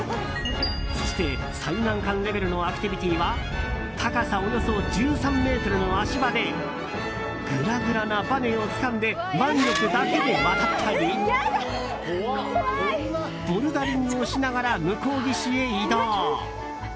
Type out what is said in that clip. そして、最難関レベルのアクティビティーは高さおよそ１３ｍの足場でぐらぐらなばねをつかんで腕力だけで渡ったりボルダリングをしながら向こう岸へ移動。